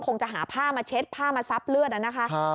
คงจะหาผ้ามาเช็ดผ้ามาซับเลือดนะคะ